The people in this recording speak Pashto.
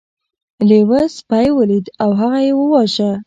لیوه سپی ولید او هغه یې وواژه.